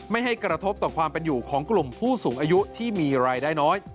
ไม่ให้กระทบต่อความเป็นอยู่ของกลุ่มผู้สูงอายุที่มีรายได้น้อย